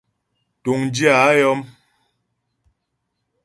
Túŋdyə̂ a yɔm.